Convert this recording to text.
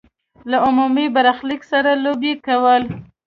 له عمومي برخلیک سره لوبې کول.